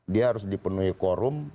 dia harus dipenuhi quorum